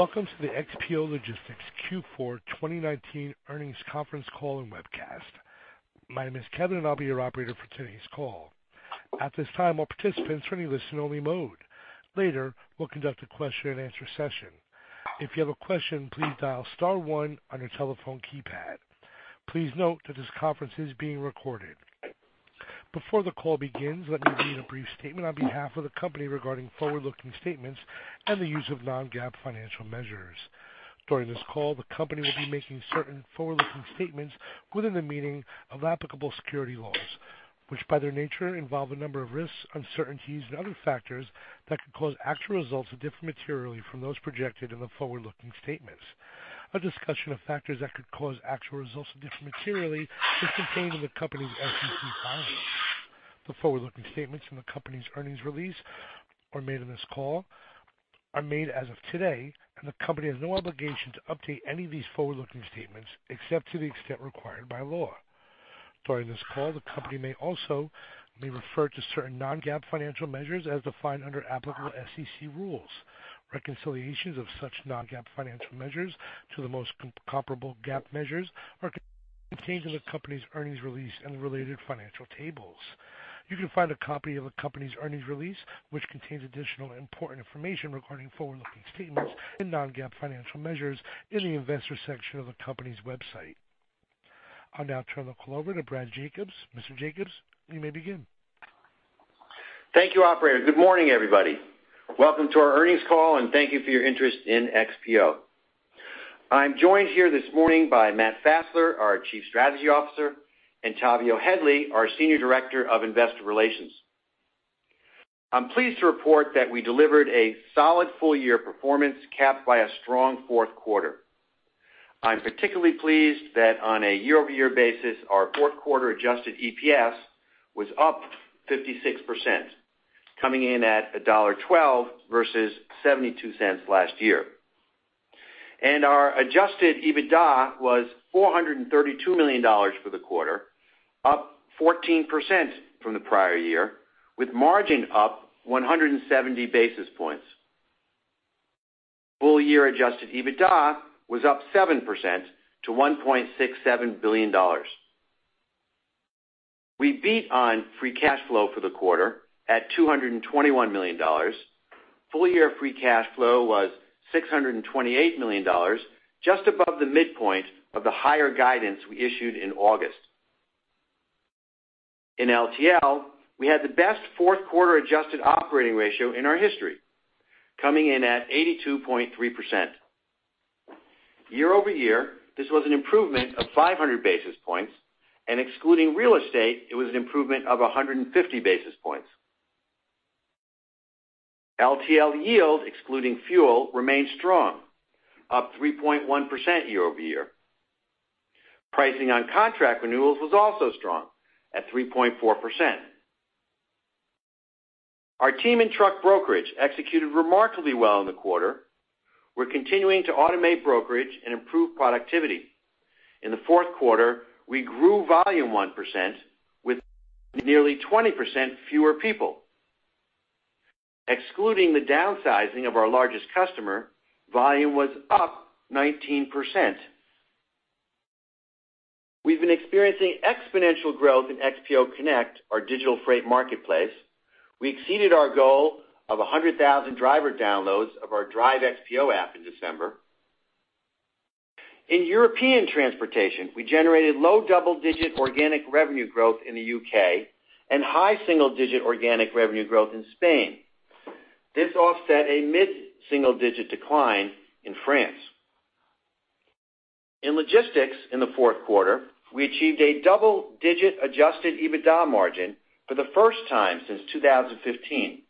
Welcome to the XPO Logistics Q4 2019 earnings conference call and webcast. My name is Kevin, and I'll be your operator for today's call. At this time, all participants are in listen only mode. Later, we'll conduct a question and answer session. If you have a question, please dial star one on your telephone keypad. Please note that this conference is being recorded. Before the call begins, let me read a brief statement on behalf of the company regarding forward-looking statements and the use of non-GAAP financial measures. During this call, the company will be making certain forward-looking statements within the meaning of applicable security laws, which, by their nature, involve a number of risks, uncertainties and other factors that could cause actual results to differ materially from those projected in the forward-looking statements. A discussion of factors that could cause actual results to differ materially is contained in the company's SEC filings. The forward-looking statements in the company's earnings release or made in this call are made as of today, and the company has no obligation to update any of these forward-looking statements, except to the extent required by law. During this call, the company may also refer to certain non-GAAP financial measures as defined under applicable SEC rules. Reconciliations of such non-GAAP financial measures to the most comparable GAAP measures are contained in the company's earnings release and the related financial tables. You can find a copy of a company's earnings release, which contains additional important information regarding forward-looking statements and non-GAAP financial measures, in the investor section of the company's website. I'll now turn the call over to Brad Jacobs. Mr. Jacobs, you may begin. Thank you, operator. Good morning, everybody. Welcome to our earnings call. Thank you for your interest in XPO. I'm joined here this morning by Matt Fassler, our Chief Strategy Officer, and Tavio Headley, our Senior Director of Investor Relations. I'm pleased to report that we delivered a solid full year performance, capped by a strong fourth quarter. I'm particularly pleased that on a year-over-year basis, our fourth quarter adjusted EPS was up 56%, coming in at $1.12 versus $0.72 last year. Our adjusted EBITDA was $432 million for the quarter, up 14% from the prior year, with margin up 170 basis points. Full year adjusted EBITDA was up 7% to $1.67 billion. We beat on free cash flow for the quarter at $221 million. Full year free cash flow was $628 million, just above the midpoint of the higher guidance we issued in August. In LTL, we had the best fourth quarter adjusted operating ratio in our history, coming in at 82.3%. Year-over-year, this was an improvement of 500 basis points, and excluding real estate, it was an improvement of 150 basis points. LTL yield, excluding fuel, remained strong, up 3.1% year-over-year. Pricing on contract renewals was also strong at 3.4%. Our team in truck brokerage executed remarkably well in the quarter. We're continuing to automate brokerage and improve productivity. In the fourth quarter, we grew volume 1% with nearly 20% fewer people. Excluding the downsizing of our largest customer, volume was up 19%. We've been experiencing exponential growth in XPO Connect, our digital freight marketplace. We exceeded our goal of 100,000 driver downloads of our Drive XPO app in December. In European transportation, we generated low double-digit organic revenue growth in the U.K. and high single-digit organic revenue growth in Spain. This offset a mid-single digit decline in France. In logistics in the fourth quarter, we achieved a double-digit adjusted EBITDA margin for the first time since 2015.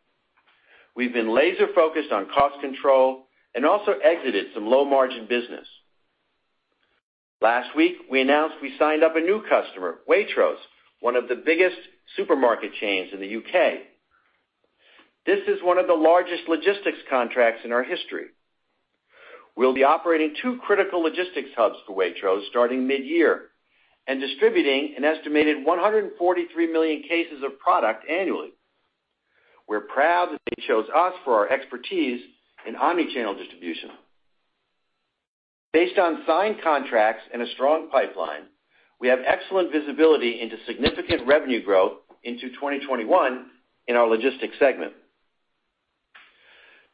We've been laser focused on cost control and also exited some low margin business. Last week, we announced we signed up a new customer, Waitrose, one of the biggest supermarket chains in the U.K. This is one of the largest logistics contracts in our history. We'll be operating two critical logistics hubs for Waitrose starting mid-year and distributing an estimated 143 million cases of product annually. We're proud that they chose us for our expertise in omnichannel distribution. Based on signed contracts and a strong pipeline, we have excellent visibility into significant revenue growth into 2021 in our logistics segment.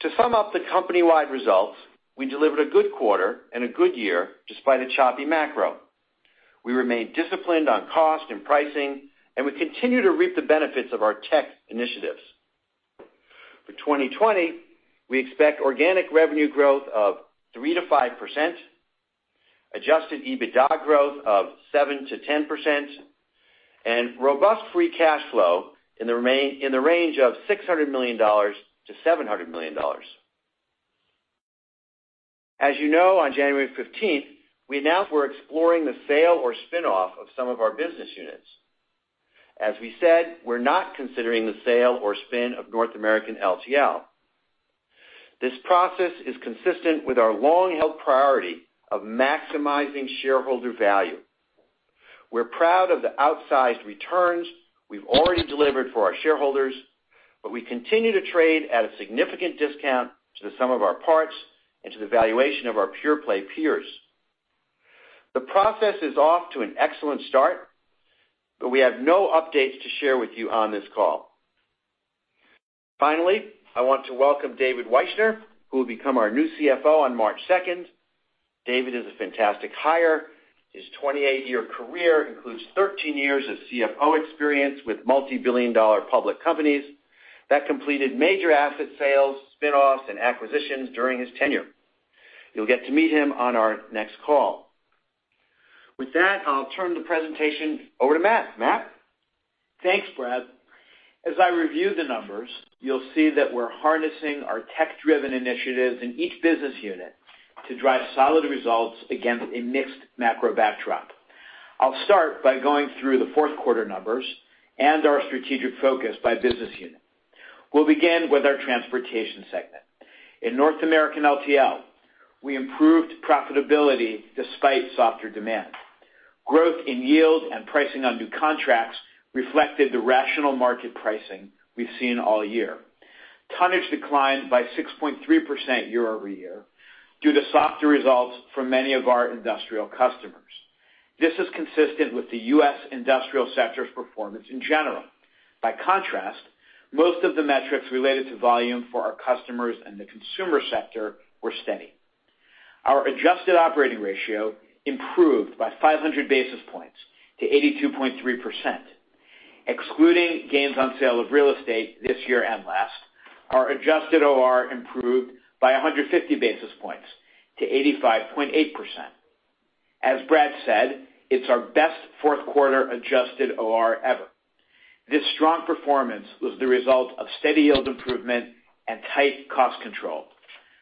To sum up the company-wide results, we delivered a good quarter and a good year despite a choppy macro. We remain disciplined on cost and pricing, we continue to reap the benefits of our tech initiatives. For 2020, we expect organic revenue growth of 3%-5%, adjusted EBITDA growth of 7%-10%, and robust free cash flow in the range of $600 million-$700 million. As you know, on January 15th, we announced we're exploring the sale or spin-off of some of our business units. As we said, we're not considering the sale or spin of North American LTL. This process is consistent with our long-held priority of maximizing shareholder value. We're proud of the outsized returns we've already delivered for our shareholders, but we continue to trade at a significant discount to the sum of our parts and to the valuation of our pure-play peers. The process is off to an excellent start, but we have no updates to share with you on this call. Finally, I want to welcome David Wyshner, who will become our new CFO on March 2nd. David is a fantastic hire. His 28-year career includes 13 years of CFO experience with multi-billion-dollar public companies that completed major asset sales, spin-offs, and acquisitions during his tenure. You'll get to meet him on our next call. With that, I'll turn the presentation over to Matt. Matt? Thanks, Brad. As I review the numbers, you'll see that we're harnessing our tech-driven initiatives in each business unit to drive solid results against a mixed macro backdrop. I'll start by going through the fourth quarter numbers and our strategic focus by business unit. We'll begin with our transportation segment. In North American LTL, we improved profitability despite softer demand. Growth in yield and pricing on new contracts reflected the rational market pricing we've seen all year. Tonnage declined by 6.3% year-over-year due to softer results from many of our industrial customers. This is consistent with the U.S. industrial sector's performance in general. Most of the metrics related to volume for our customers in the consumer sector were steady. Our adjusted operating ratio improved by 500 basis points to 82.3%. Excluding gains on sale of real estate this year and last, our adjusted OR improved by 150 basis points to 85.8%. As Brad said, it's our best fourth quarter adjusted OR ever. This strong performance was the result of steady yield improvement and tight cost control.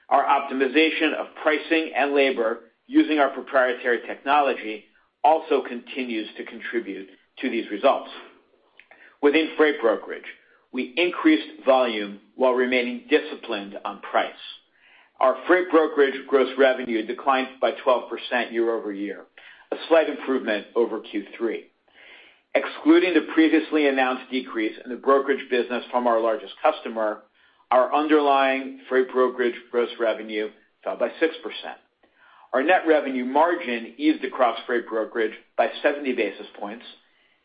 Our optimization of pricing and labor using our proprietary technology also continues to contribute to these results. Within freight brokerage, we increased volume while remaining disciplined on price. Our freight brokerage gross revenue declined by 12% year-over-year, a slight improvement over Q3. Excluding the previously announced decrease in the brokerage business from our largest customer, our underlying freight brokerage gross revenue fell by 6%. Our net revenue margin eased across freight brokerage by 70 basis points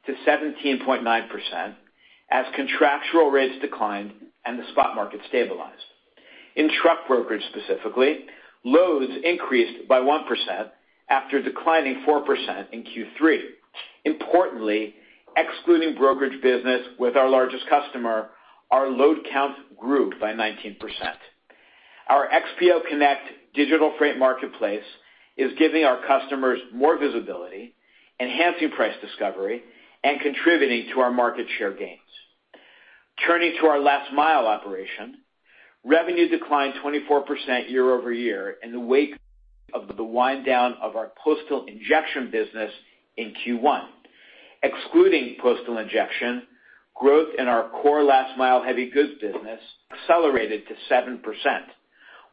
to 17.9% as contractual rates declined and the spot market stabilized. In truck brokerage specifically, loads increased by 1% after declining 4% in Q3. Importantly, excluding brokerage business with our largest customer, our load count grew by 19%. Our XPO Connect digital freight marketplace is giving our customers more visibility, enhancing price discovery, and contributing to our market share gains. Turning to our last mile operation, revenue declined 24% year-over-year in the wake of the wind-down of our postal injection business in Q1. Excluding postal injection, growth in our core last mile heavy goods business accelerated to 7%.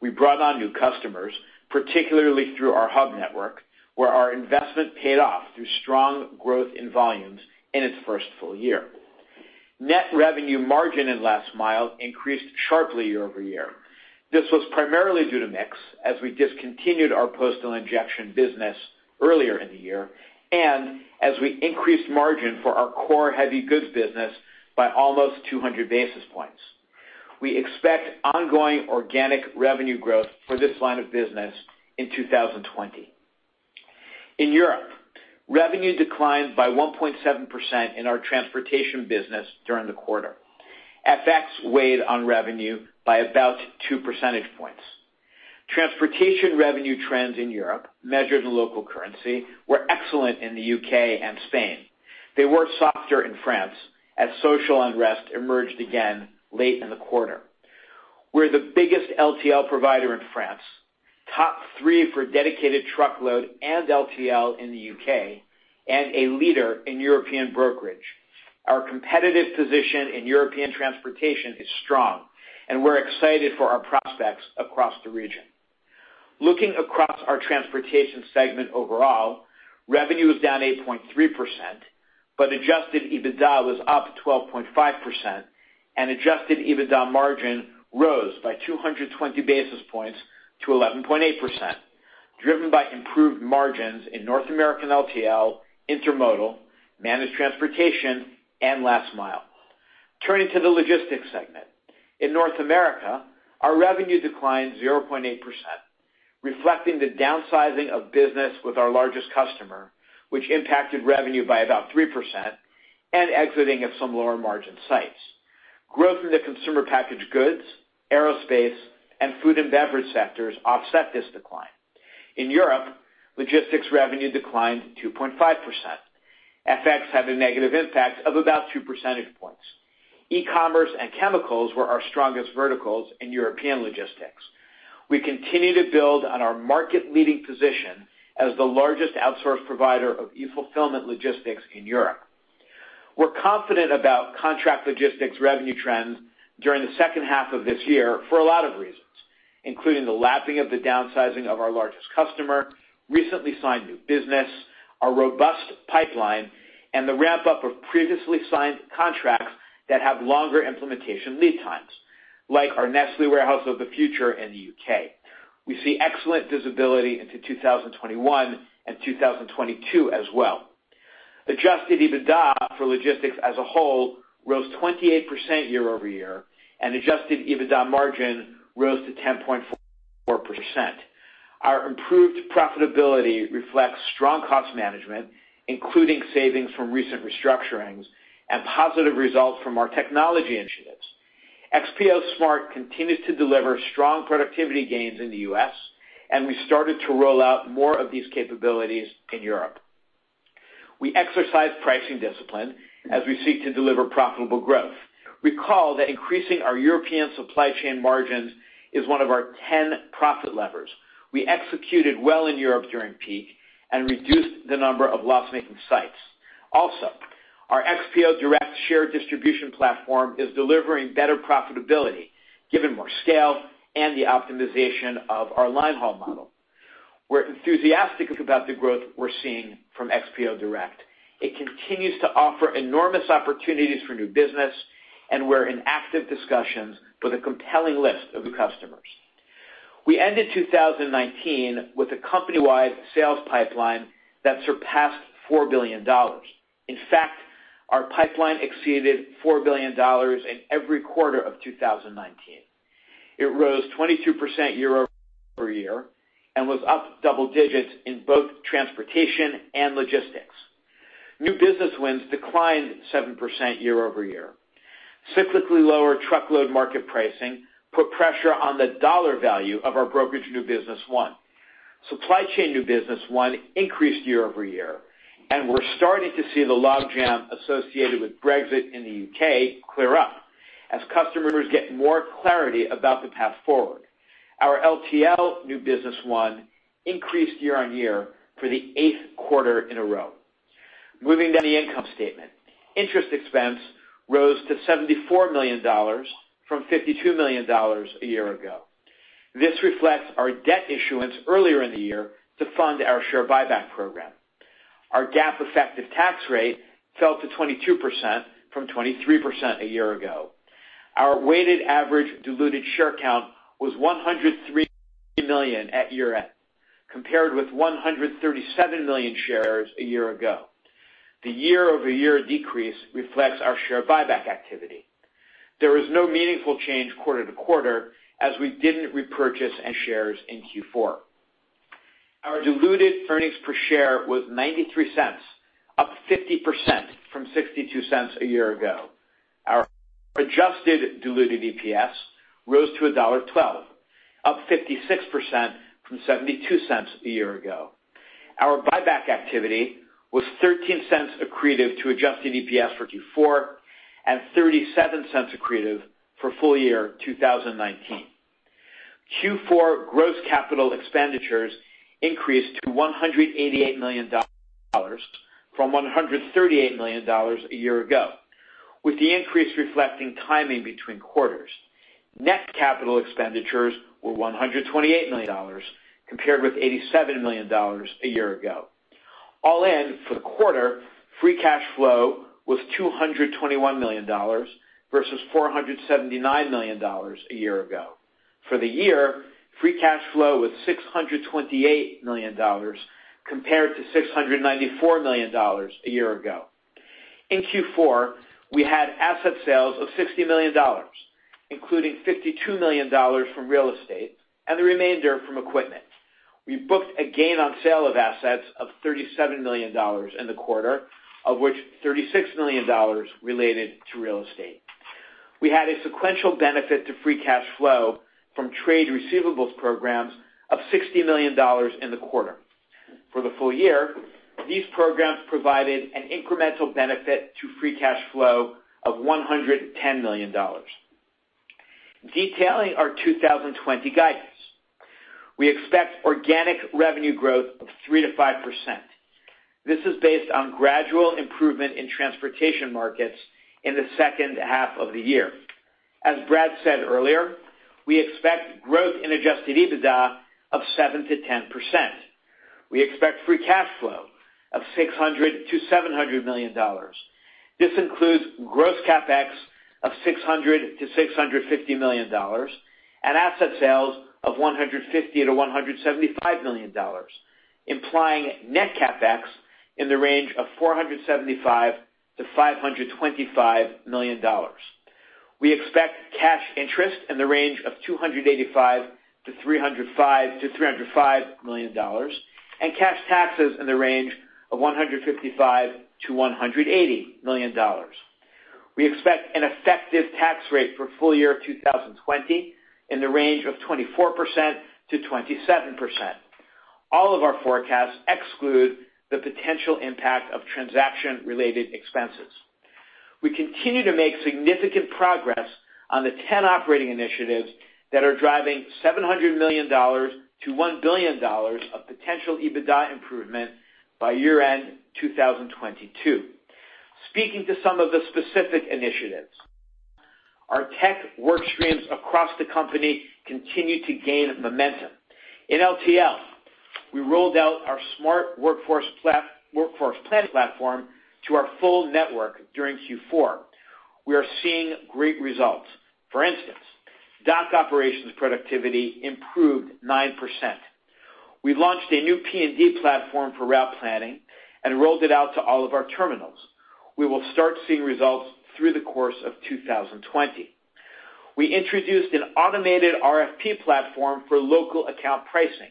We brought on new customers, particularly through our hub network, where our investment paid off through strong growth in volumes in its first full year. Net revenue margin in last mile increased sharply year-over-year. This was primarily due to mix as we discontinued our postal injection business earlier in the year and as we increased margin for our core heavy goods business by almost 200 basis points. We expect ongoing organic revenue growth for this line of business in 2020. In Europe, revenue declined by 1.7% in our transportation business during the quarter. FX weighed on revenue by about 2 percentage points. Transportation revenue trends in Europe, measured in local currency, were excellent in the U.K. and Spain. They were softer in France as social unrest emerged again late in the quarter. We're the biggest LTL provider in France, top three for dedicated truckload and LTL in the U.K., and a leader in European brokerage. Our competitive position in European transportation is strong, and we're excited for our prospects across the region. Looking across our transportation segment overall, revenue was down 8.3%, but adjusted EBITDA was up 12.5%, and adjusted EBITDA margin rose by 220 basis points to 11.8%, driven by improved margins in North American LTL, intermodal, managed transportation, and last mile. Turning to the logistics segment. In North America, our revenue declined 0.8%, reflecting the downsizing of business with our largest customer, which impacted revenue by about 3%, and exiting of some lower-margin sites. Growth in the consumer packaged goods, aerospace, and food and beverage sectors offset this decline. In Europe, logistics revenue declined 2.5%. FX had a negative impact of about 2 percentage points. E-commerce and chemicals were our strongest verticals in European logistics. We continue to build on our market-leading position as the largest outsourced provider of e-fulfillment logistics in Europe. We're confident about contract logistics revenue trends during the second half of this year for a lot of reasons, including the lapping of the downsizing of our largest customer, recently signed new business, our robust pipeline, and the ramp-up of previously signed contracts that have longer implementation lead times, like our Nestlé Warehouse of the Future in the U.K. We see excellent visibility into 2021 and 2022 as well. Adjusted EBITDA for logistics as a whole rose 28% year-over-year, and adjusted EBITDA margin rose to 10.4%. Our improved profitability reflects strong cost management, including savings from recent restructurings and positive results from our technology initiatives. XPO Smart continued to deliver strong productivity gains in the U.S., and we started to roll out more of these capabilities in Europe. We exercise pricing discipline as we seek to deliver profitable growth. Recall that increasing our European supply chain margins is one of our 10 profit levers. We executed well in Europe during peak and reduced the number of loss-making sites. Also, our XPO Direct shared distribution platform is delivering better profitability given more scale and the optimization of our linehaul model. We're enthusiastic about the growth we're seeing from XPO Direct. It continues to offer enormous opportunities for new business, and we're in active discussions with a compelling list of customers. We ended 2019 with a company-wide sales pipeline that surpassed $4 billion. In fact, our pipeline exceeded $4 billion in every quarter of 2019. It rose 22% year-over-year and was up double digits in both transportation and logistics. New business wins declined 7% year-over-year. Cyclically lower truckload market pricing put pressure on the dollar value of our brokerage new business won. Supply chain new business won increased year-over-year, and we're starting to see the logjam associated with Brexit in the U.K. clear up as customers get more clarity about the path forward. Our LTL new business won increased year-on-year for the eighth quarter in a row. Moving down the income statement. Interest expense rose to $74 million from $52 million a year ago. This reflects our debt issuance earlier in the year to fund our share buyback program. Our GAAP effective tax rate fell to 22% from 23% a year ago. Our weighted average diluted share count was 103 million at year-end, compared with 137 million shares a year ago. The year-over-year decrease reflects our share buyback activity. There was no meaningful change quarter-to-quarter, as we didn't repurchase any shares in Q4. Our diluted earnings per share was $0.93, up 50% from $0.62 a year ago. Our adjusted diluted EPS rose to $1.12, up 56% from $0.72 a year ago. Our buyback activity was $0.13 accretive to adjusted EPS for Q4 and $0.37 accretive for full year 2019. Q4 gross capital expenditures increased to $188 million from $138 million a year ago, with the increase reflecting timing between quarters. Net capital expenditures were $128 million, compared with $87 million a year ago. All in, for the quarter, free cash flow was $221 million versus $479 million a year ago. For the year, free cash flow was $628 million compared to $694 million a year ago. In Q4, we had asset sales of $60 million, including $52 million from real estate and the remainder from equipment. We booked a gain on sale of assets of $37 million in the quarter, of which $36 million related to real estate. We had a sequential benefit to free cash flow from trade receivables programs of $60 million in the quarter. For the full year, these programs provided an incremental benefit to free cash flow of $110 million. Detailing our 2020 guidance. We expect organic revenue growth of 3%-5%. This is based on gradual improvement in transportation markets in the second half of the year. As Brad said earlier, we expect growth in adjusted EBITDA of 7%-10%. We expect free cash flow of $600 million-$700 million. This includes gross CapEx of $600 million-$650 million and asset sales of $150 million-$175 million, implying net CapEx in the range of $475 million-$525 million. We expect cash interest in the range of $285 million-$305 million, and cash taxes in the range of $155 million-$180 million. We expect an effective tax rate for full year 2020 in the range of 24%-27%. All of our forecasts exclude the potential impact of transaction-related expenses. We continue to make significant progress on the 10 operating initiatives that are driving $700 million-$1 billion of potential EBITDA improvement by year-end 2022. Speaking to some of the specific initiatives, our tech work streams across the company continue to gain momentum. In LTL, we rolled out our smart workforce planning platform to our full network during Q4. We are seeing great results. For instance, dock operations productivity improved 9%. We launched a new P&D platform for route planning and rolled it out to all of our terminals. We will start seeing results through the course of 2020. We introduced an automated RFP platform for local account pricing.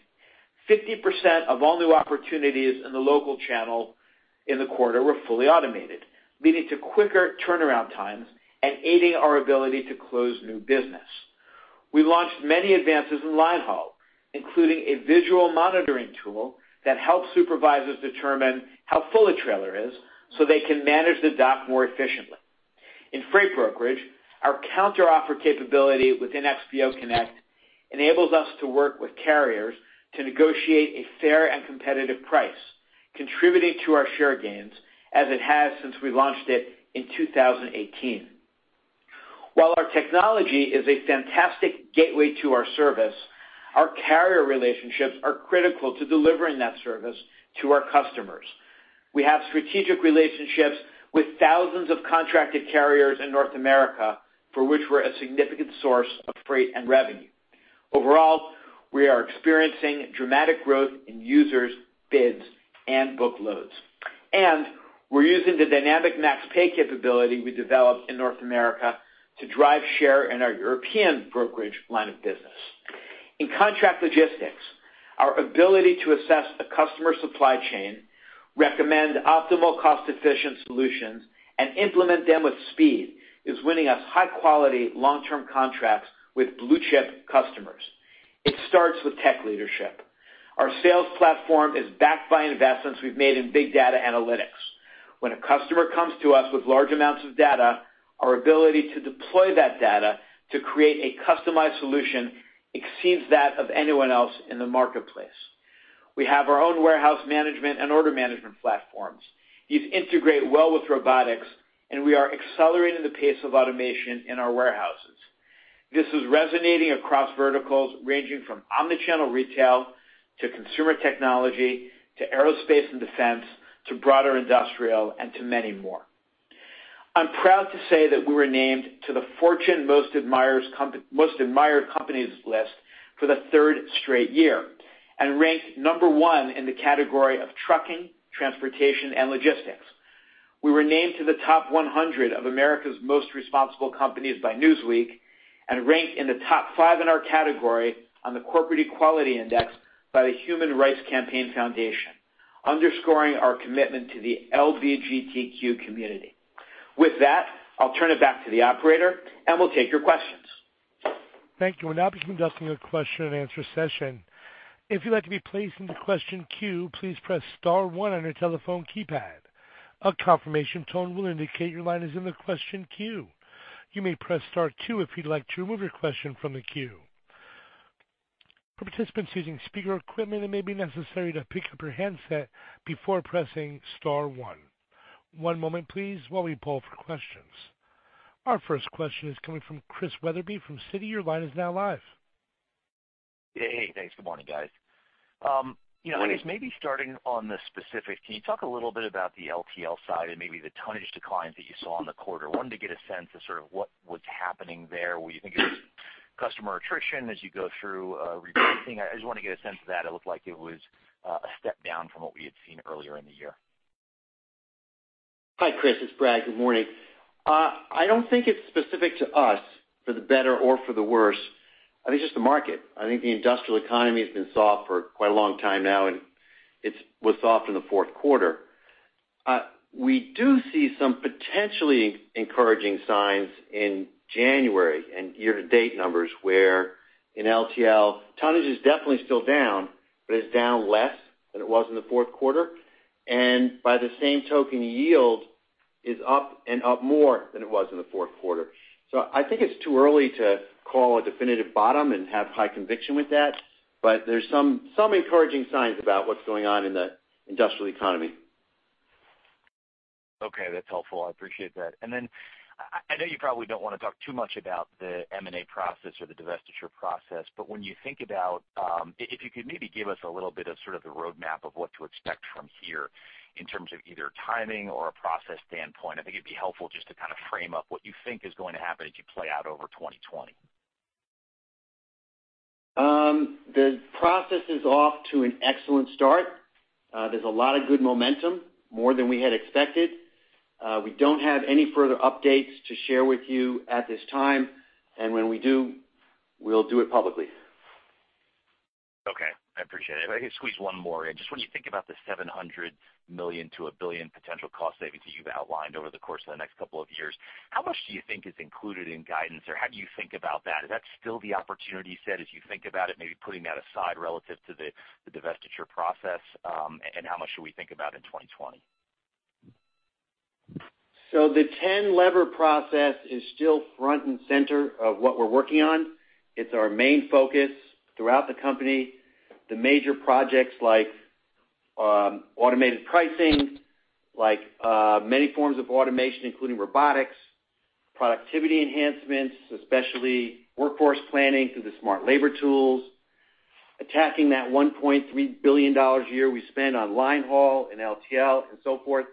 50% of all new opportunities in the local channel in the quarter were fully automated, leading to quicker turnaround times and aiding our ability to close new business. We launched many advances in line haul, including a visual monitoring tool that helps supervisors determine how full a trailer is, so they can manage the dock more efficiently. In freight brokerage, our counteroffer capability within XPO Connect enables us to work with carriers to negotiate a fair and competitive price, contributing to our share gains, as it has since we launched it in 2018. While our technology is a fantastic gateway to our service, our carrier relationships are critical to delivering that service to our customers. We have strategic relationships with thousands of contracted carriers in North America, for which we're a significant source of freight and revenue. Overall, we are experiencing dramatic growth in users, bids, and book loads. We're using the Dynamic Max Pay capability we developed in North America to drive share in our European brokerage line of business. In contract logistics, our ability to assess a customer supply chain, recommend optimal cost-efficient solutions, and implement them with speed is winning us high-quality, long-term contracts with blue-chip customers. It starts with tech leadership. Our sales platform is backed by investments we've made in big data analytics. When a customer comes to us with large amounts of data, our ability to deploy that data to create a customized solution exceeds that of anyone else in the marketplace. We have our own warehouse management and order management platforms. These integrate well with robotics, and we are accelerating the pace of automation in our warehouses. This is resonating across verticals, ranging from omnichannel retail, to consumer technology, to aerospace and defense, to broader industrial, and to many more. I'm proud to say that we were named to the Fortune World's Most Admired Companies list for the 3rd straight year and ranked number one in the category of trucking, transportation, and logistics. We were named to the top 100 of America's most responsible companies by Newsweek and ranked in the top five in our category on the Corporate Equality Index by the Human Rights Campaign Foundation, underscoring our commitment to the LGBTQ community. With that, I'll turn it back to the operator, and we'll take your questions. Thank you. We'll now be conducting a question and answer session. If you'd like to be placed into question queue, please press star one on your telephone keypad. A confirmation tone will indicate your line is in the question queue. You may press star two if you'd like to remove your question from the queue. For participants using speaker equipment, it may be necessary to pick up your handset before pressing star one. One moment please while we pull for questions. Our first question is coming from Chris Wetherbee from Citi. Your line is now live. Hey, thanks. Good morning, guys. I guess maybe starting on the specifics, can you talk a little bit about the LTL side and maybe the tonnage declines that you saw in the quarter? Wanted to get a sense of what was happening there. Were you thinking customer attrition as you go through replacing? I just want to get a sense of that. It looked like it was a step down from what we had seen earlier in the year. Hi, Chris. It's Brad. Good morning. I don't think it's specific to us for the better or for the worse. I think it's just the market. I think the industrial economy has been soft for quite a long time now, and it was soft in the fourth quarter. We do see some potentially encouraging signs in January and year-to-date numbers, where in LTL, tonnage is definitely still down, but it's down less than it was in the fourth quarter. By the same token, yield is up and up more than it was in the fourth quarter. I think it's too early to call a definitive bottom and have high conviction with that. There's some encouraging signs about what's going on in the industrial economy. Okay, that's helpful. I appreciate that. I know you probably don't want to talk too much about the M&A process or the divestiture process, but when you think about, if you could maybe give us a little bit of the roadmap of what to expect from here in terms of either timing or a process standpoint. I think it'd be helpful just to frame up what you think is going to happen as you play out over 2020. The process is off to an excellent start. There's a lot of good momentum, more than we had expected. We don't have any further updates to share with you at this time. When we do, we'll do it publicly. Okay, I appreciate it. If I could squeeze one more in. Just when you think about the $700 million-$1 billion potential cost savings that you've outlined over the course of the next couple of years. How much do you think is included in guidance, or how do you think about that? Is that still the opportunity set as you think about it, maybe putting that aside relative to the divestiture process? How much should we think about in 2020? The 10-lever process is still front and center of what we're working on. It's our main focus throughout the company. The major projects like automated pricing, like many forms of automation, including robotics, productivity enhancements, especially workforce planning through the Smart labor tools, attacking that $1.3 billion a year we spend on line haul and LTL and so forth.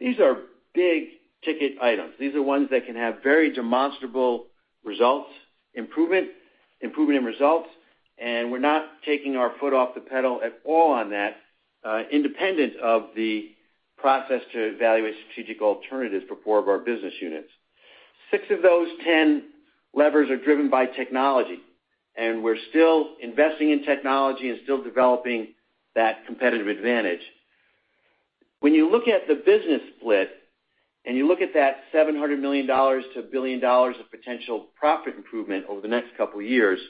These are big-ticket items. These are ones that can have very demonstrable results, improvement in results. We're not taking our foot off the pedal at all on that, independent of the process to evaluate strategic alternatives for four of our business units. Six of those 10 levers are driven by technology, and we're still investing in technology and still developing that competitive advantage. When you look at the business split, you look at that $700 million-$1 billion of potential profit improvement over the next couple of years,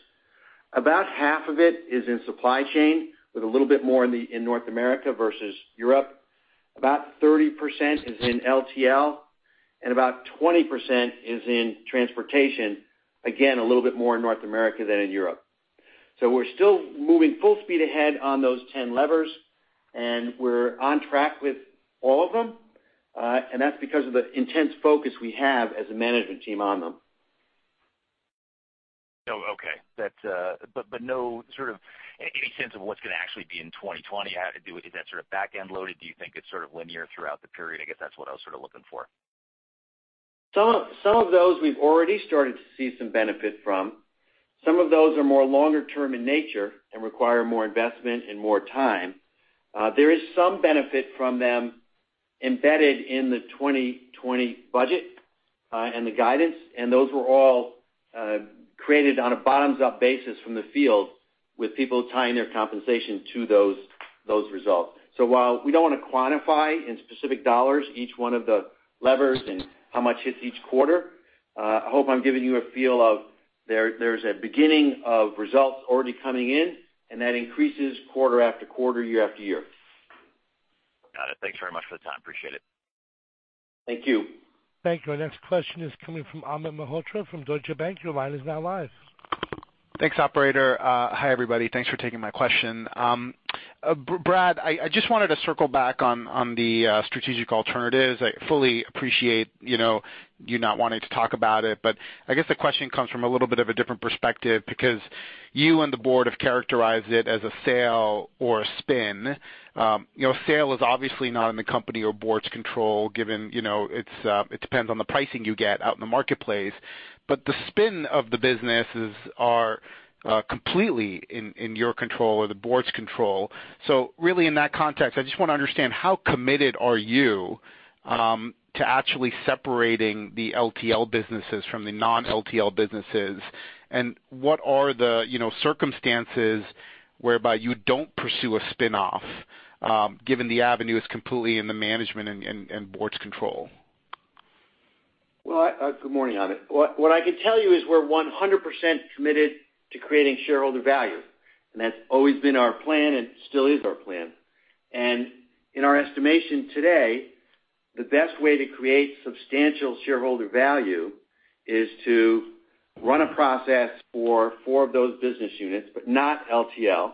about half of it is in supply chain, with a little bit more in North America versus Europe. About 30% is in LTL, about 20% is in transportation. Again, a little bit more in North America than in Europe. We're still moving full speed ahead on those 10 levers, we're on track with all of them. That's because of the intense focus we have as a management team on them. Okay. No sort of any sense of what's going to actually be in 2020. How to do it. Is that sort of back-end loaded? Do you think it's sort of linear throughout the period? I guess that's what I was sort of looking for. Some of those we've already started to see some benefit from. Some of those are more longer term in nature and require more investment and more time. There is some benefit from them embedded in the 2020 budget and the guidance, and those were all created on a bottoms-up basis from the field, with people tying their compensation to those results. While we don't want to quantify in specific dollars each one of the levers and how much hits each quarter, I hope I'm giving you a feel of there's a beginning of results already coming in, and that increases quarter after quarter, year after year. Got it. Thanks very much for the time. Appreciate it. Thank you. Thank you. Our next question is coming from Amit Mehrotra from Deutsche Bank. Your line is now live. Thanks, operator. Hi, everybody. Thanks for taking my question. Brad, I just wanted to circle back on the strategic alternatives. I fully appreciate you not wanting to talk about it. I guess the question comes from a little bit of a different perspective because you and the Board have characterized it as a sale or a spin. A sale is obviously not in the company or Board's control given it depends on the pricing you get out in the marketplace. The spin of the businesses are completely in your control or the Board's control. Really in that context, I just want to understand how committed are you to actually separating the LTL businesses from the non-LTL businesses? What are the circumstances whereby you don't pursue a spin-off, given the avenue is completely in the management and Board's control? Well, good morning, Amit. What I can tell you is we're 100% committed to creating shareholder value, and that's always been our plan and still is our plan. In our estimation today, the best way to create substantial shareholder value is to run a process for four of those business units, but not LTL,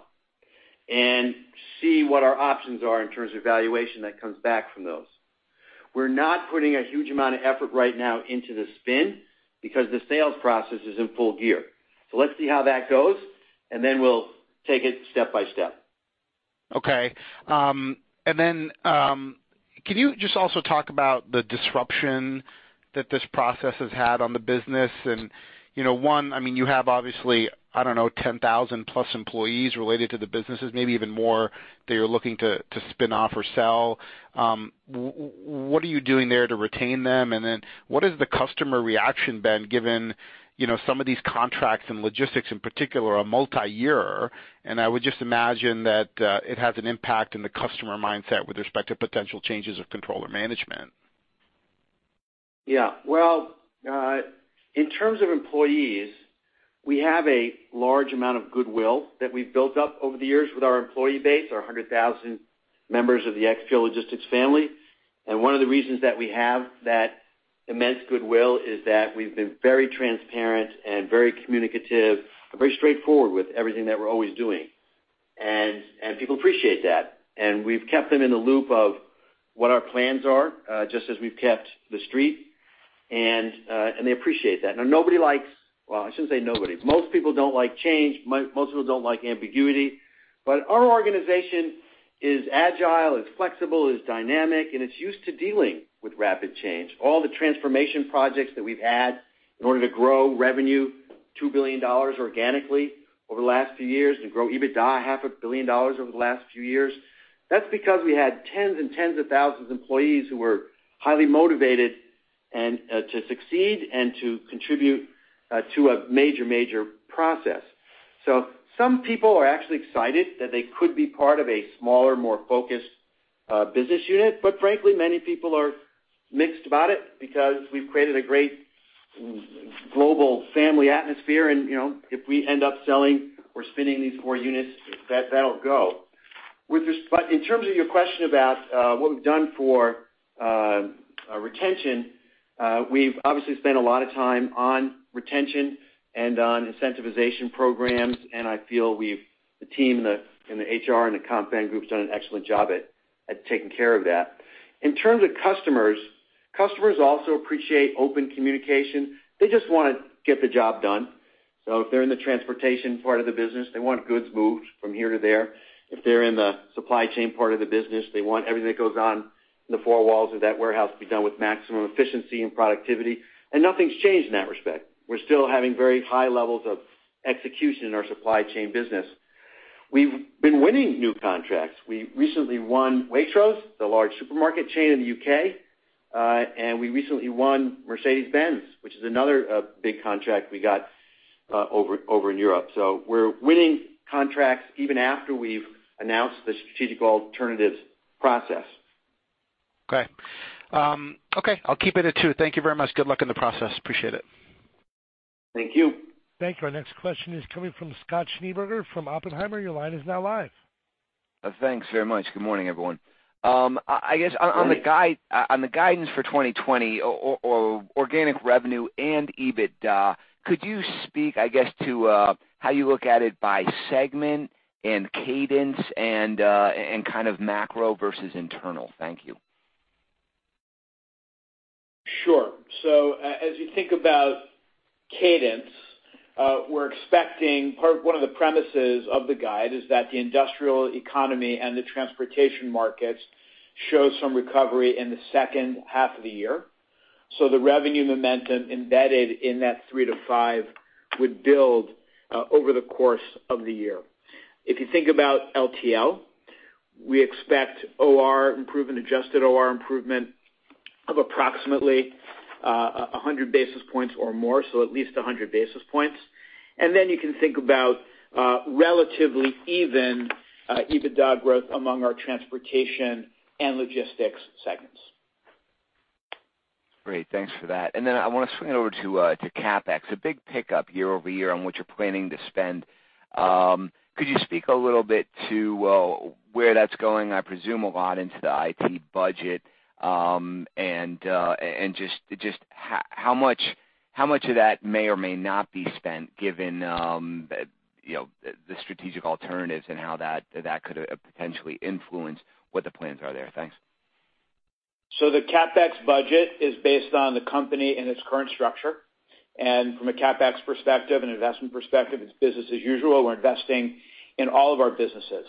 and see what our options are in terms of valuation that comes back from those. We're not putting a huge amount of effort right now into the spin because the sales process is in full gear. Let's see how that goes, and then we'll take it step by step. Okay. Can you just also talk about the disruption that this process has had on the business? One, you have obviously, I don't know, 10,000+ employees related to the businesses, maybe even more that you're looking to spin off or sell. What are you doing there to retain them? What has the customer reaction been given some of these contracts and logistics in particular are multi-year? I would just imagine that it has an impact in the customer mindset with respect to potential changes of control or management. Well, in terms of employees, we have a large amount of goodwill that we've built up over the years with our employee base, our 100,000 members of the XPO Logistics family. One of the reasons that we have that immense goodwill is that we've been very transparent and very communicative and very straightforward with everything that we're always doing. People appreciate that. We've kept them in the loop of what our plans are, just as we've kept the street. They appreciate that. Now, nobody likes. Well, I shouldn't say nobody. Most people don't like change. Most people don't like ambiguity. Our organization is agile, it's flexible, it's dynamic, and it's used to dealing with rapid change. All the transformation projects that we've had in order to grow revenue $2 billion organically over the last few years and grow EBITDA half a billion dollars over the last few years. That's because we had tens and tens of thousands of employees who were highly motivated to succeed and to contribute to a major process. Some people are actually excited that they could be part of a smaller, more focused business unit. Frankly, many people are mixed about it because we've created a great global family atmosphere, and if we end up selling or spinning these four units, that'll go. In terms of your question about what we've done for retention, we've obviously spent a lot of time on retention and on incentivization programs, and I feel the team in the HR and the comp/ben group's done an excellent job at taking care of that. In terms of customers also appreciate open communication. They just want to get the job done. If they're in the transportation part of the business, they want goods moved from here to there. If they're in the supply chain part of the business, they want everything that goes on in the four walls of that warehouse to be done with maximum efficiency and productivity. Nothing's changed in that respect. We're still having very high levels of execution in our supply chain business. We've been winning new contracts. We recently won Waitrose, the large supermarket chain in the U.K., and we recently won Mercedes-Benz, which is another big contract we got over in Europe. We're winning contracts even after we've announced the strategic alternatives process. Okay. Okay, I'll keep it at two. Thank you very much. Good luck in the process. Appreciate it. Thank you. Thank you. Our next question is coming from Scott Schneeberger from Oppenheimer. Your line is now live. Thanks very much. Good morning, everyone. Good morning. I guess, on the guidance for 2020, organic revenue and EBITDA, could you speak, I guess, to how you look at it by segment and cadence and kind of macro versus internal? Thank you. Sure. As you think about cadence, one of the premises of the guide is that the industrial economy and the transportation markets show some recovery in the second half of the year. The revenue momentum embedded in that 3%-5% would build over the course of the year. If you think about LTL, we expect OR improvement, adjusted OR improvement of approximately 100 basis points or more, so at least 100 basis points. You can think about relatively even EBITDA growth among our transportation and logistics segments. Great. Thanks for that. I want to swing it over to CapEx. A big pickup year-over-year on what you're planning to spend. Could you speak a little bit to where that's going? I presume a lot into the IT budget. Just how much of that may or may not be spent given the strategic alternatives and how that could potentially influence what the plans are there. Thanks. The CapEx budget is based on the company in its current structure, and from a CapEx perspective and investment perspective, it's business as usual. We're investing in all of our businesses.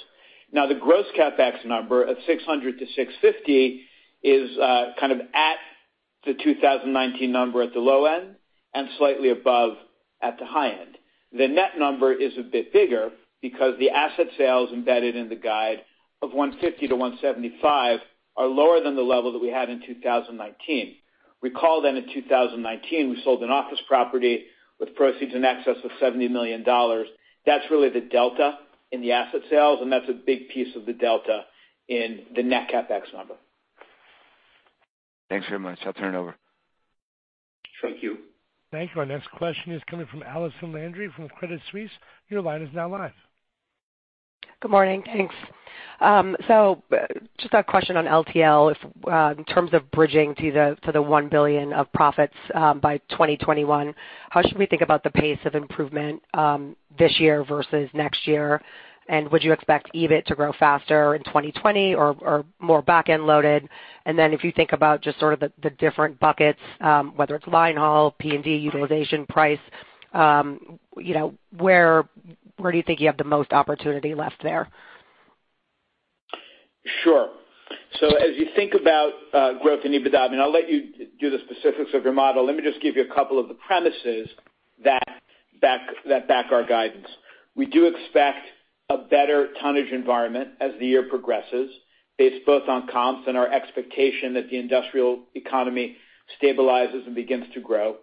The gross CapEx number of $600 million-$650 million is kind of at the 2019 number at the low end and slightly above at the high end. The net number is a bit bigger because the asset sales embedded in the guide of $150 million-$175 million are lower than the level that we had in 2019. Recall then in 2019, we sold an office property with proceeds in excess of $70 million. That's really the delta in the asset sales, and that's a big piece of the delta in the net CapEx number. Thanks very much. I'll turn it over. Thank you. Thank you. Our next question is coming from Allison Landry from Credit Suisse. Your line is now live. Good morning. Thanks. Just a question on LTL. In terms of bridging to the $1 billion of profits by 2021, how should we think about the pace of improvement this year versus next year? Would you expect EBIT to grow faster in 2020 or more back-end loaded? If you think about just sort of the different buckets, whether it's line haul, P&D, utilization, price, where do you think you have the most opportunity left there? Sure. As you think about growth in EBITDA, and I'll let you do the specifics of your model. Let me just give you a couple of the premises that back our guidance. We do expect a better tonnage environment as the year progresses, based both on comps and our expectation that the industrial economy stabilizes and begins to grow.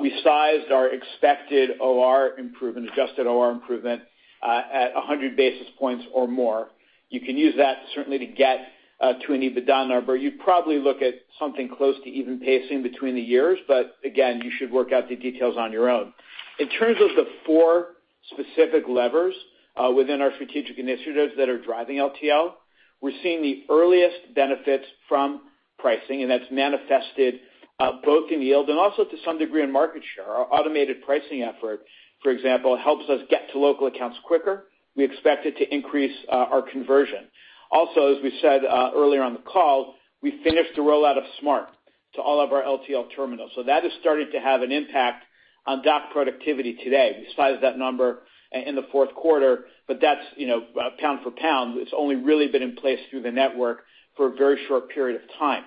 We sized our expected OR improvement, adjusted OR improvement at 100 basis points or more. You can use that certainly to get to an EBITDA number. You'd probably look at something close to even pacing between the years, but again, you should work out the details on your own. In terms of the four specific levers within our strategic initiatives that are driving LTL, we're seeing the earliest benefits from pricing, and that's manifested both in yield and also to some degree in market share. Our automated pricing effort, for example, helps us get to local accounts quicker. We expect it to increase our conversion. As we said earlier on the call, we finished the rollout of Smart to all of our LTL terminals. That is starting to have an impact on dock productivity today. We sized that number in the fourth quarter, but that's pound for pound. It's only really been in place through the network for a very short period of time.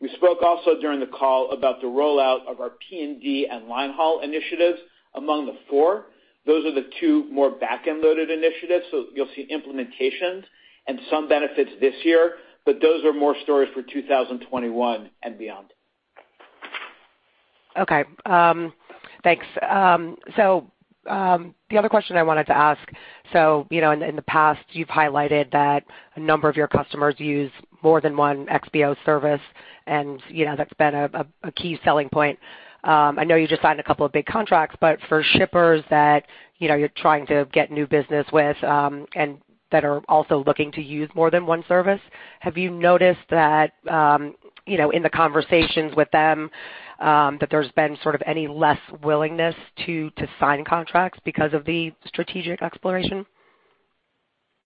We spoke also during the call about the rollout of our P&D and line haul initiatives. Among the four, those are the two more back-end loaded initiatives. You'll see implementations and some benefits this year, but those are more stories for 2021 and beyond. Okay. Thanks. The other question I wanted to ask, so in the past, you've highlighted that a number of your customers use more than one XPO service, and that's been a key selling point. I know you just signed a couple of big contracts, for shippers that you're trying to get new business with, and that are also looking to use more than one service, have you noticed that in the conversations with them, that there's been sort of any less willingness to sign contracts because of the strategic exploration?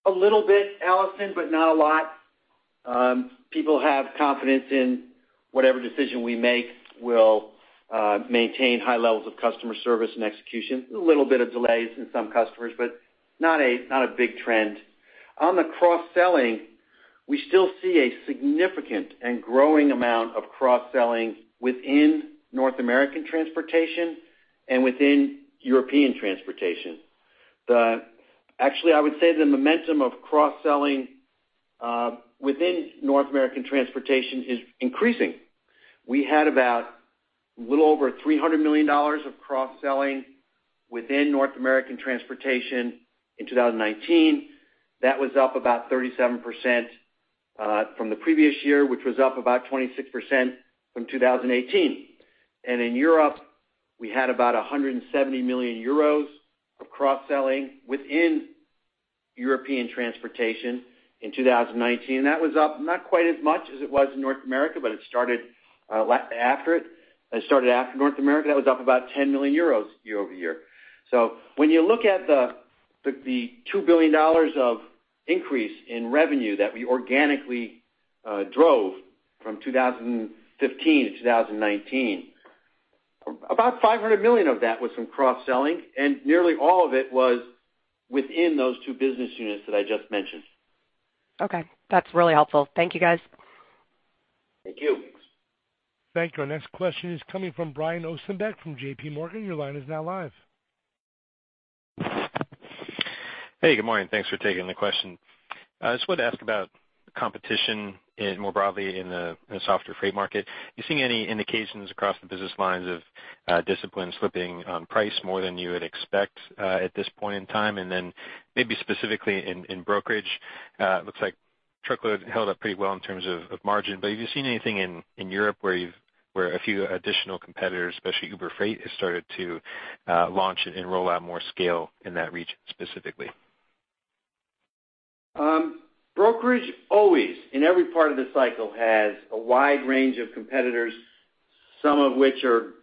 A little bit, Allison, but not a lot. People have confidence in whatever decision we make will maintain high levels of customer service and execution. A little bit of delays in some customers, but not a big trend. On the cross-selling, we still see a significant and growing amount of cross-selling within North American transportation and within European transportation. Actually, I would say the momentum of cross-selling within North American transportation is increasing. We had about a little over $300 million of cross-selling within North American transportation in 2019. That was up about 37% from the previous year, which was up about 26% from 2018. In Europe, we had about 170 million euros of cross-selling within European transportation in 2019. That was up not quite as much as it was in North America, but it started after it. It started after North America. That was up about 10 million euros year-over-year. When you look at the $2 billion of increase in revenue that we organically drove from 2015 to 2019, about $500 million of that was from cross-selling, and nearly all of it was within those two business units that I just mentioned. Okay. That's really helpful. Thank you, guys. Thank you. Thank you. Our next question is coming from Brian Ossenbeck from JPMorgan. Your line is now live. Hey, good morning. Thanks for taking the question. I just wanted to ask about competition more broadly in the softer freight market. Are you seeing any indications across the business lines of discipline slipping on price more than you would expect at this point in time? Maybe specifically in brokerage, looks like truckload held up pretty well in terms of margin. Have you seen anything in Europe where a few additional competitors, especially Uber Freight, has started to launch and roll out more scale in that region specifically? Brokerage always, in every part of the cycle, has a wide range of competitors, some of which are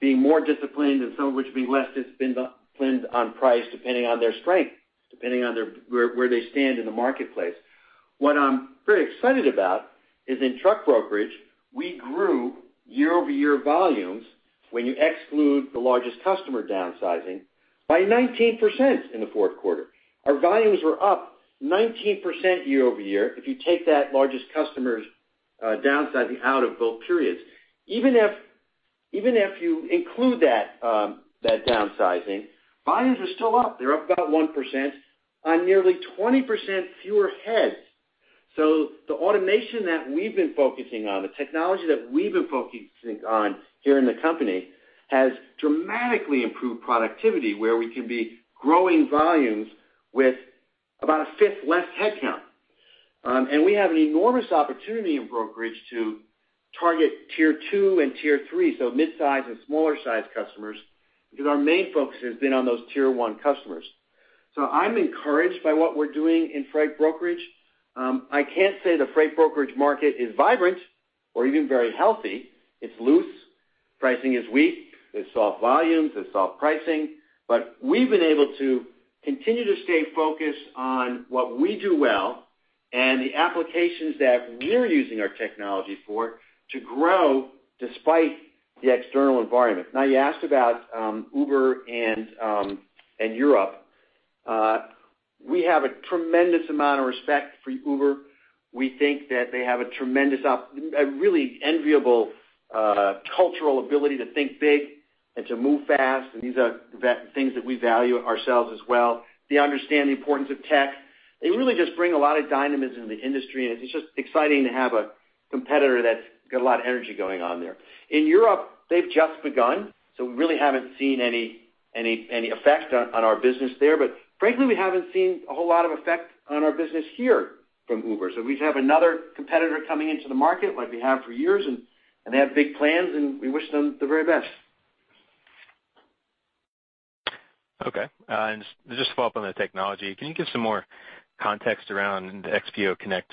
being more disciplined and some of which are being less disciplined on price depending on their strength, depending on where they stand in the marketplace. What I'm very excited about is in truck brokerage, we grew year-over-year volumes when you exclude the largest customer downsizing by 19% in the fourth quarter. Our volumes were up 19% year-over-year if you take that largest customer's downsizing out of both periods. Even if you include that downsizing, volumes are still up. They're up about 1% on nearly 20% fewer heads. The automation that we've been focusing on, the technology that we've been focusing on here in the company, has dramatically improved productivity where we can be growing volumes with about a fifth less headcount. We have an enormous opportunity in brokerage to target Tier two and Tier three, so mid-size and smaller-size customers, because our main focus has been on those Tier one customers. I'm encouraged by what we're doing in freight brokerage. I can't say the freight brokerage market is vibrant or even very healthy. It's loose. Pricing is weak. There's soft volumes, there's soft pricing. We've been able to continue to stay focused on what we do well and the applications that we're using our technology for to grow despite the external environment. You asked about Uber and Europe. We have a tremendous amount of respect for Uber. We think that they have a really enviable cultural ability to think big and to move fast, and these are things that we value ourselves as well. They understand the importance of tech. They really just bring a lot of dynamism to the industry, and it's just exciting to have a competitor that's got a lot of energy going on there. In Europe, they've just begun, so we really haven't seen any effect on our business there, but frankly, we haven't seen a whole lot of effect on our business here from Uber. We just have another competitor coming into the market like we have for years, and they have big plans, and we wish them the very best. Okay. Just to follow up on the technology, can you give some more context around the XPO Connect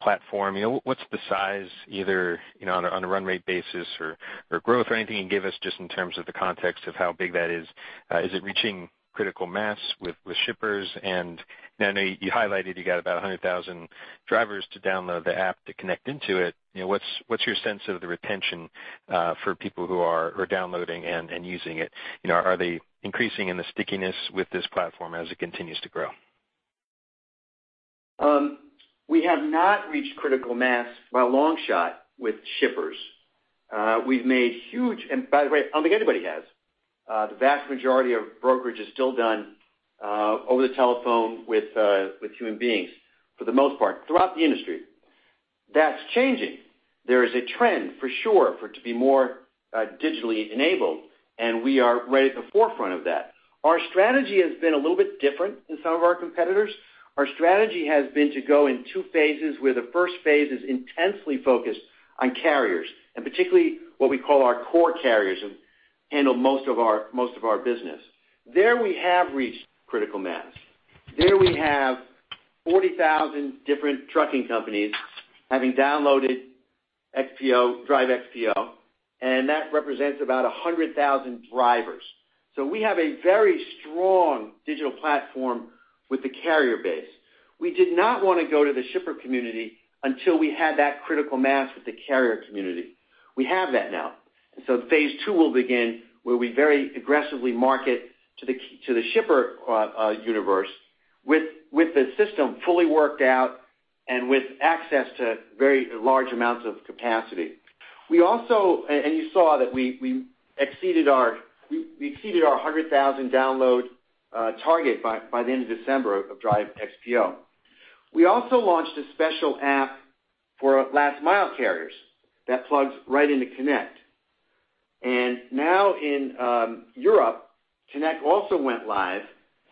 platform? What's the size, either on a run rate basis or growth or anything you can give us just in terms of the context of how big that is? Is it reaching critical mass with shippers? I know you highlighted you got about 100,000 drivers to download the app to connect into it. What's your sense of the retention for people who are downloading and using it? Are they increasing in the stickiness with this platform as it continues to grow? We have not reached critical mass by a long shot with shippers. By the way, I don't think anybody has. The vast majority of brokerage is still done over the telephone with human beings, for the most part, throughout the industry. That's changing. There is a trend, for sure, for it to be more digitally enabled. We are right at the forefront of that. Our strategy has been a little bit different than some of our competitors. Our strategy has been to go in two phases, where the first phase is intensely focused on carriers, particularly what we call our core carriers, handle most of our business. There we have reached critical mass. There we have 40,000 different trucking companies having downloaded Drive XPO. That represents about 100,000 drivers. We have a very strong digital platform with the carrier base. We did not want to go to the shipper community until we had that critical mass with the carrier community. We have that now. Phase II will begin, where we very aggressively market to the shipper universe with the system fully worked out and with access to very large amounts of capacity. You saw that we exceeded our 100,000 download target by the end of December of Drive XPO. We also launched a special app for last mile carriers that plugs right into Connect. Now in Europe, Connect also went live,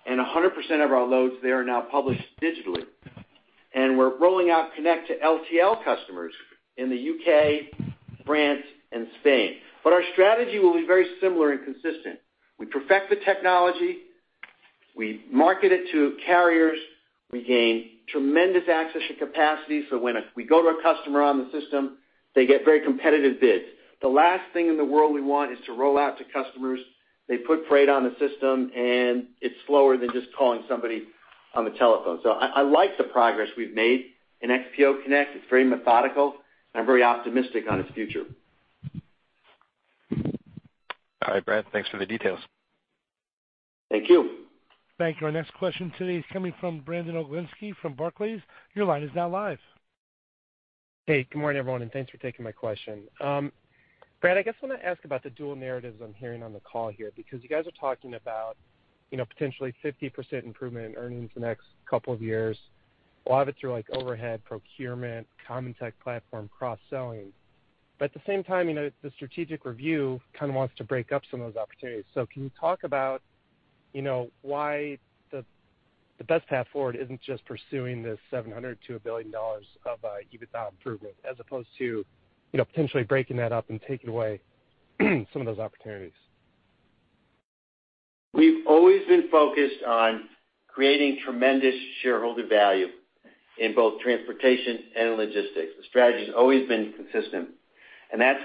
and 100% of our loads there are now published digitally. We're rolling out Connect to LTL customers in the U.K., France, and Spain. Our strategy will be very similar and consistent. We perfect the technology, we market it to carriers, we gain tremendous access to capacity. When we go to a customer on the system, they get very competitive bids. The last thing in the world we want is to roll out to customers, they put freight on the system, and it's slower than just calling somebody on the telephone. I like the progress we've made in XPO Connect. It's very methodical. I'm very optimistic on its future. All right, Brad, thanks for the details. Thank you. Thank you. Our next question today is coming from Brandon Oglenski from Barclays. Your line is now live. Hey, good morning, everyone, and thanks for taking my question. Brad, I guess I want to ask about the dual narratives I'm hearing on the call here, because you guys are talking about potentially 50% improvement in earnings the next couple of years. A lot of it through overhead procurement, common tech platform, cross-selling. At the same time, the strategic review kind of wants to break up some of those opportunities. Can you talk about why the best path forward isn't just pursuing this $700 million-$1 billion of EBITDA improvement as opposed to potentially breaking that up and taking away some of those opportunities? We've always been focused on creating tremendous shareholder value in both transportation and logistics. The strategy has always been consistent. That's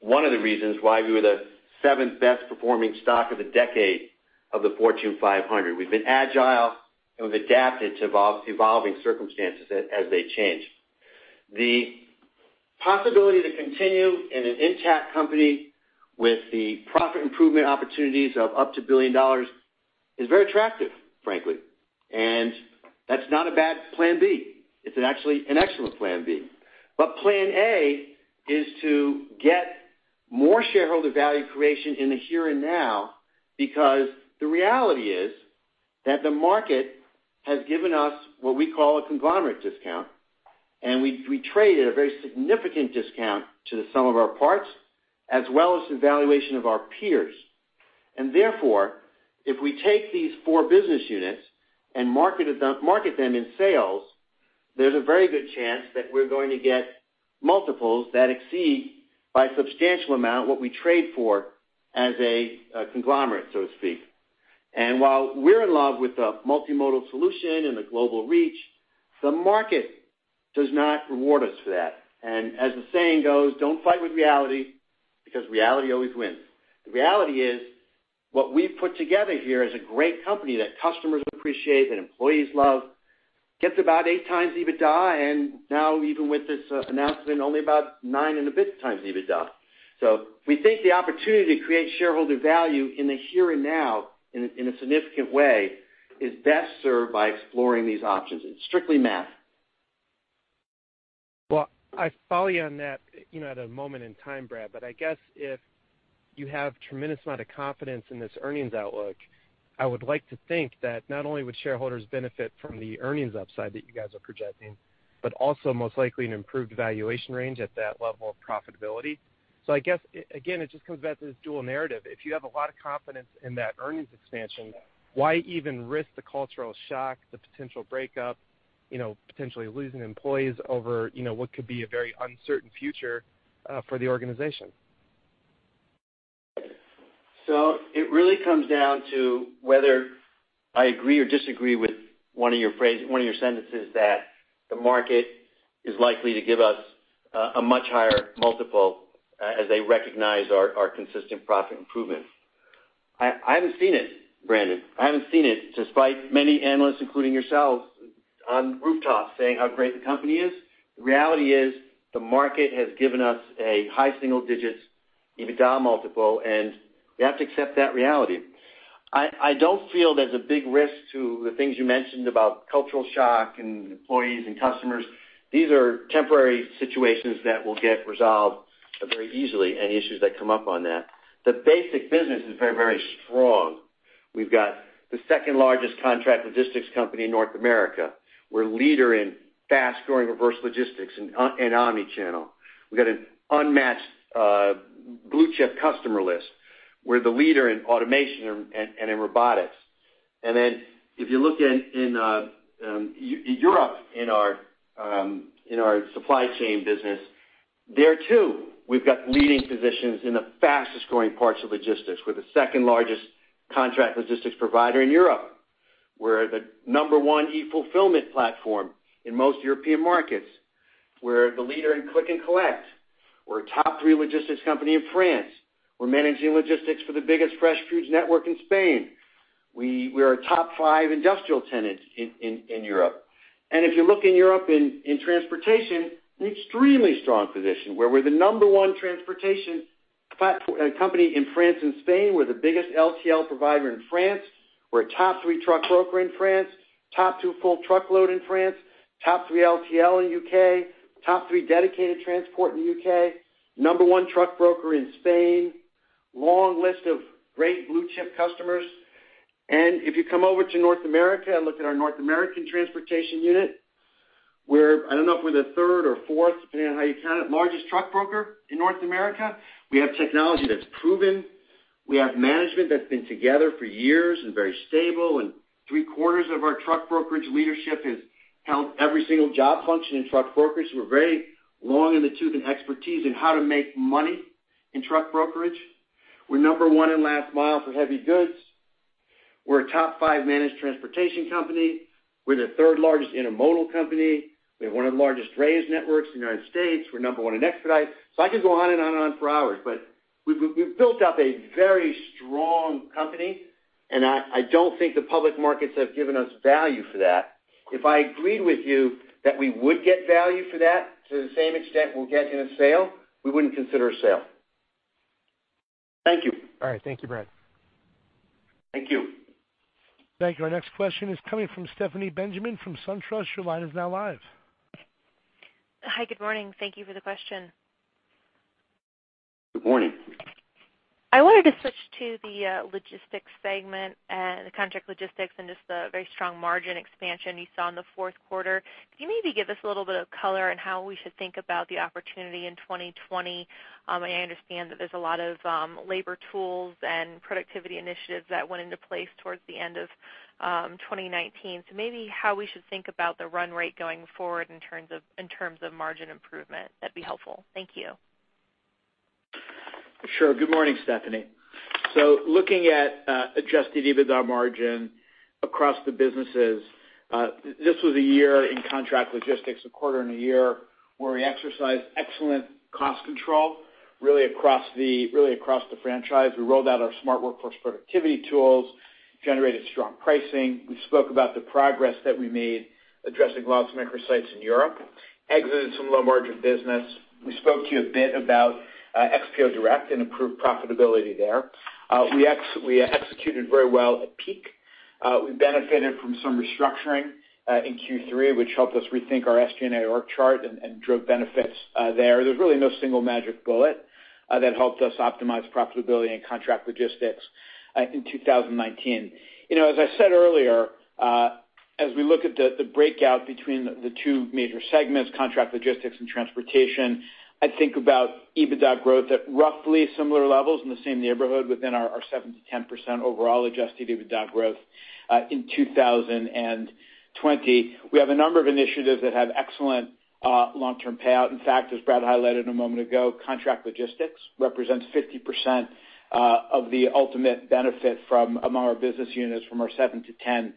one of the reasons why we were the seventh best performing stock of the decade of the Fortune 500. We've been agile and we've adapted to evolving circumstances as they change. The possibility to continue in an intact company with the profit improvement opportunities of up to $1 billion is very attractive, frankly. That's not a bad plan B. It's actually an excellent plan B. Plan A is to get more shareholder value creation in the here and now, because the reality is that the market has given us what we call a conglomerate discount, and we trade at a very significant discount to the sum of our parts, as well as the valuation of our peers. Therefore, if we take these four business units and market them in sales, there's a very good chance that we're going to get multiples that exceed, by a substantial amount, what we trade for as a conglomerate, so to speak. While we're in love with the multimodal solution and the global reach, the market does not reward us for that. As the saying goes, don't fight with reality, because reality always wins. The reality is, what we've put together here is a great company that customers appreciate, that employees love, gets about 8x EBITDA, and now even with this announcement, only about nine and a bit times EBITDA. We think the opportunity to create shareholder value in the here and now in a significant way is best served by exploring these options. It's strictly math. Well, I follow you on that at a moment in time, Brad. I guess if you have tremendous amount of confidence in this earnings outlook, I would like to think that not only would shareholders benefit from the earnings upside that you guys are projecting, but also most likely an improved valuation range at that level of profitability. I guess, again, it just comes back to this dual narrative. If you have a lot of confidence in that earnings expansion, why even risk the cultural shock, the potential breakup, potentially losing employees over what could be a very uncertain future for the organization? It really comes down to whether I agree or disagree with one of your sentences, that the market is likely to give us a much higher multiple as they recognize our consistent profit improvement. I haven't seen it, Brandon. I haven't seen it, despite many analysts, including yourselves, on rooftops saying how great the company is. The reality is the market has given us a high single digits EBITDA multiple, and we have to accept that reality. I don't feel there's a big risk to the things you mentioned about cultural shock in employees and customers. These are temporary situations that will get resolved very easily, any issues that come up on that. The basic business is very strong. We've got the second largest contract logistics company in North America. We're a leader in fast-growing reverse logistics and omnichannel. We've got an unmatched blue-chip customer list. We're the leader in automation and in robotics. If you look in Europe, in our supply chain business, there too, we've got leading positions in the fastest-growing parts of logistics. We're the second-largest contract logistics provider in Europe. We're the number one e-fulfillment platform in most European markets. We're the leader in click and collect. We're a top three logistics company in France. We're managing logistics for the biggest fresh foods network in Spain. We are a top five industrial tenant in Europe. If you look in Europe in transportation, an extremely strong position where we're the number one transportation company in France and Spain. We're the biggest LTL provider in France. We're a top three truck broker in France, top two full truckload in France, top three LTL in U.K., top three dedicated transport in the U.K., number one truck broker in Spain. Long list of great blue-chip customers. If you come over to North America and look at our North American transportation unit, we're, I don't know if we're the third or fourth, depending on how you count it, largest truck broker in North America. We have technology that's proven. We have management that's been together for years and very stable. Three-quarters of our truck brokerage leadership has held every single job function in truck brokerage. We're very long in the tooth in expertise in how to make money in truck brokerage. We're number one in last mile for heavy goods. We're a top five managed transportation company. We're the third largest intermodal company. We have one of the largest drayage networks in the United States. We're number one in expedite. I could go on and on for hours, but we've built up a very strong company, and I don't think the public markets have given us value for that. If I agreed with you that we would get value for that to the same extent we'll get in a sale, we wouldn't consider a sale. Thank you. All right. Thank you, Brad. Thank you. Thank you. Our next question is coming from Stephanie Benjamin from SunTrust. Your line is now live. Hi. Good morning. Thank you for the question. Good morning. I wanted to switch to the logistics segment and the contract logistics and just the very strong margin expansion you saw in the fourth quarter. Could you maybe give us a little bit of color on how we should think about the opportunity in 2020? I understand that there's a lot of labor tools and productivity initiatives that went into place towards the end of 2019. Maybe how we should think about the run rate going forward in terms of margin improvement, that'd be helpful. Thank you. Sure. Good morning, Stephanie. Looking at adjusted EBITDA margin across the businesses, this was a year in contract logistics, a quarter and a year where we exercised excellent cost control really across the franchise. We rolled out our smart workforce productivity tools, generated strong pricing. We spoke about the progress that we made addressing lots of microsites in Europe, exited some low-margin business. We spoke to you a bit about XPO Direct and improved profitability there. We executed very well at peak. We benefited from some restructuring in Q3, which helped us rethink our SG&A org chart and drove benefits there. There's really no single magic bullet that helped us optimize profitability in contract logistics in 2019. As I said earlier, as we look at the breakout between the two major segments, contract logistics and transportation, I think about EBITDA growth at roughly similar levels in the same neighborhood within our 7%-10% overall adjusted EBITDA growth in 2020. We have a number of initiatives that have excellent long-term payout. In fact, as Brad highlighted a moment ago, contract logistics represents 50% of the ultimate benefit from among our business units from our 7%-10%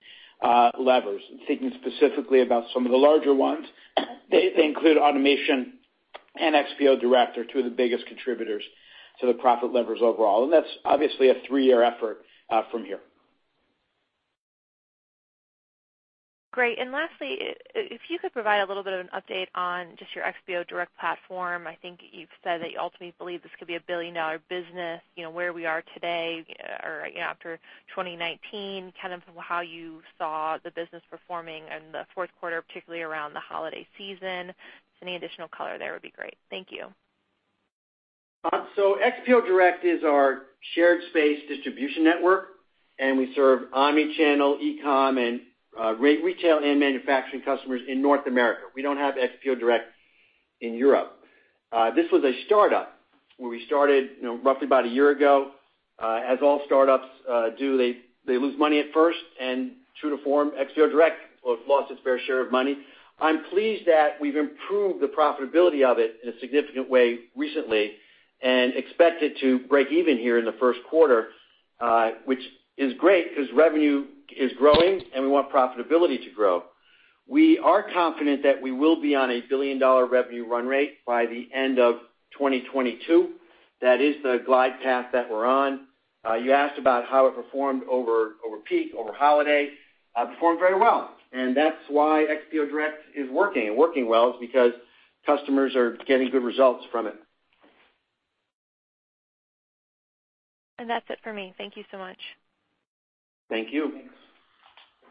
levers. Thinking specifically about some of the larger ones, they include automation and XPO Direct are two of the biggest contributors to the profit levers overall. That's obviously a three-year effort from here. Great. Lastly, if you could provide a little bit of an update on just your XPO Direct platform. I think you've said that you ultimately believe this could be a billion-dollar business. Where we are today or after 2019, kind of how you saw the business performing in the fourth quarter, particularly around the holiday season. Just any additional color there would be great. Thank you. XPO Direct is our shared space distribution network, and we serve omnichannel, e-com, and retail and manufacturing customers in North America. We don't have XPO Direct in Europe. This was a startup where we started roughly about a year ago. As all startups do, they lose money at first, and true to form, XPO Direct lost its fair share of money. I'm pleased that we've improved the profitability of it in a significant way recently and expect it to break even here in the first quarter, which is great because revenue is growing, and we want profitability to grow. We are confident that we will be on a billion-dollar revenue run rate by the end of 2022. That is the glide path that we're on. You asked about how it performed over peak, over holiday. It performed very well, and that's why XPO Direct is working and working well, is because customers are getting good results from it. That's it for me. Thank you so much. Thank you.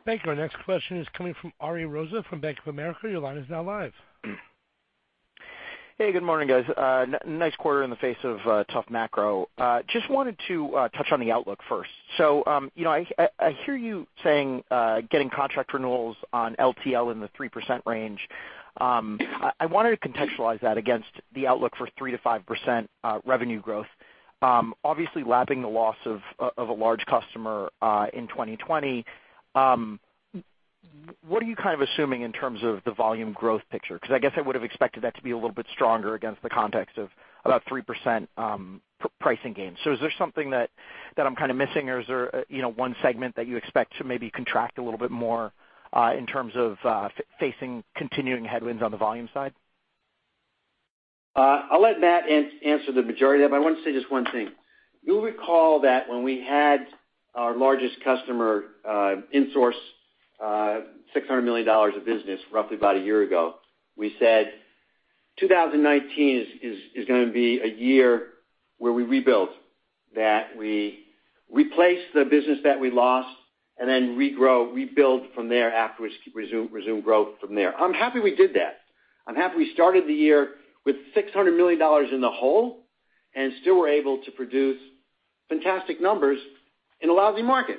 Thank you. Our next question is coming from Ariel Rosa from Bank of America. Your line is now live. Hey, good morning, guys. Nice quarter in the face of tough macro. Just wanted to touch on the outlook first. I hear you saying getting contract renewals on LTL in the 3% range. I wanted to contextualize that against the outlook for 3%-5% revenue growth. Obviously lapping the loss of a large customer in 2020. What are you assuming in terms of the volume growth picture? I guess I would have expected that to be a little bit stronger against the context of about 3% pricing gains. Is there something that I'm missing or is there one segment that you expect to maybe contract a little bit more, in terms of facing continuing headwinds on the volume side? I'll let Matt answer the majority of that, but I want to say just one thing. You'll recall that when we had our largest customer insource $600 million of business roughly about a year ago, we said 2019 is going to be a year where we rebuild, that we replace the business that we lost and then regrow, rebuild from there afterwards, resume growth from there. I'm happy we did that. I'm happy we started the year with $600 million in the hole and still were able to produce fantastic numbers in a lousy market.